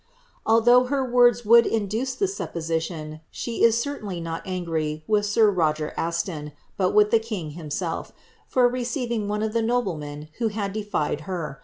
Alihouijh her words would induce the siippo*: tiim, she is certainly not angry with sir llcger .Uton, but with the kin^ himself, for receiving one of the noblemen who had defied her.